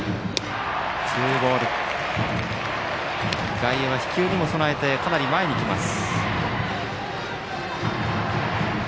外野は飛球に備えてかなり前に来ます。